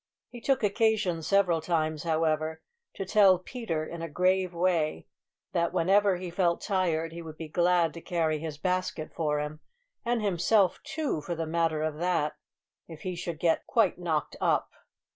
He took occasion several times, however, to tell Peter, in a grave way, that, whenever he felt tired, he would be glad to carry his basket for him, and himself too, for the matter of that, if he should get quite knocked up.